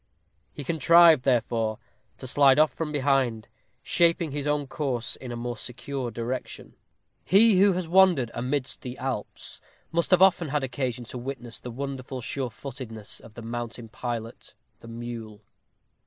He contrived, therefore, to slide off from behind, shaping his own course in a more secure direction. He who has wandered amidst the Alps must have often had occasion to witness the wonderful surefootedness of that mountain pilot, the mule.